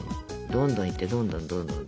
どんどんいってどんどんどんどん。